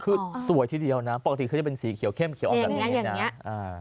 คือสวยทีเดียวนะปกติเขาจะเป็นสีเขียวเข้มเขียวออกแบบนี้นะ